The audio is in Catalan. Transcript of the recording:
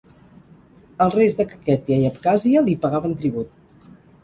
Els reis de Kakhètia i Abkhàzia li pagaven tribut.